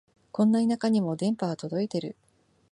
こんな田舎にも電波は届いてる